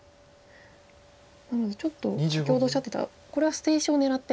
なのでちょっと先ほどおっしゃってたこれは捨て石を狙って。